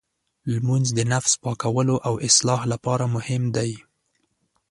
لمونځ د نفس پاکولو او اصلاح لپاره مهم دی.